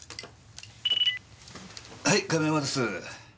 はい亀山です。